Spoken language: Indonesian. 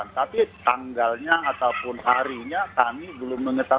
tapi tanggalnya ataupun harinya kami belum mengetahui